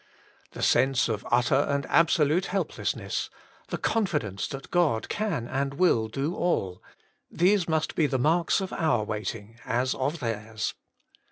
The sense of utter and absolute help lessness, the confidence that God can and will do all, — these must be the marks of our waiting as of theirs.